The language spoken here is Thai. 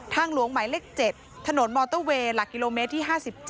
หลวงหมายเลข๗ถนนมอเตอร์เวย์หลักกิโลเมตรที่๕๗